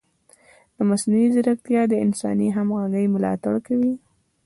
مصنوعي ځیرکتیا د انساني همغږۍ ملاتړ کوي.